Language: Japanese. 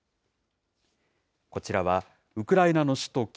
こちらはウクライナの首都